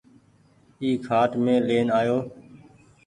اي کآٽ مين لين آئو۔